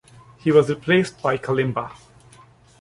He was replaced by Kalimba.